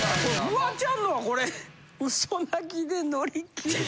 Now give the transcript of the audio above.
フワちゃんのはこれ「嘘泣きで乗り切る！」